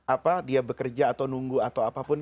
apa dia bekerja atau nunggu atau apapun